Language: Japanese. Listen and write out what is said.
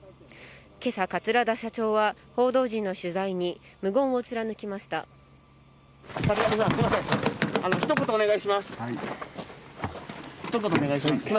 今朝、桂田社長は報道陣の取材に一言お願いします。